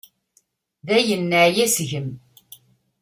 Dayen neɛya seg-m.